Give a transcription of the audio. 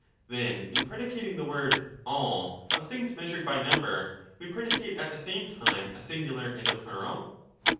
Then in predicating the word ' all * of things measured by number, we predicate at the same time a singular and a plural